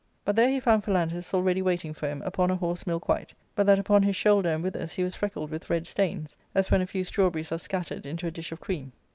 But there he found Phalantus already waitmg for him upon a horse milk white, but that upon his shoulder and withers he was freckled with red stains, as when a few straw berries are scattered into a dish of cream.